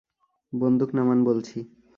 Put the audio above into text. বন্দুক নামান বলছি!